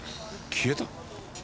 消えた！？